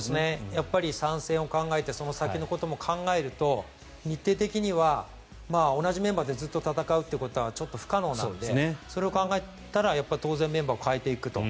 やっぱり３戦を考えてその先のことも考えると日程的には同じメンバーでずっと戦うことはちょっと不可能なのでそれを考えたら当然メンバーを代えていくと。